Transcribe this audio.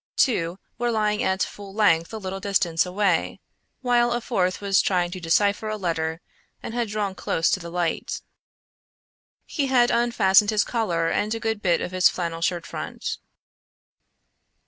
Two were lying at full length a little distance away, while a fourth was trying to decipher a letter and had drawn close to the light. He had unfastened his collar and a good bit of his flannel shirt front.